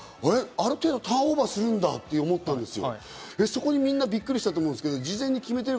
ある程度ターンオーバーするんだって思ったんですよ。